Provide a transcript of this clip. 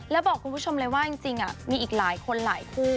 แล้วบอกคุณผู้ชมเลยว่าจริงมีอีกหลายคนหลายคู่